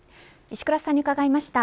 石倉さんに伺いました。